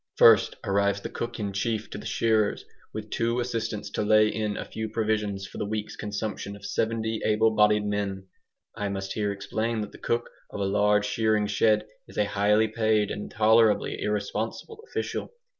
First arrives the cook in chief to the shearers, with two assistants to lay in a few provisions for the week's consumption of 70 able bodied men. I must here explain that the cook of a large shearing shed is a highly paid and tolerably irresponsible official.